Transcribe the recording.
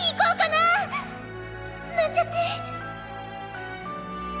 なんちゃって！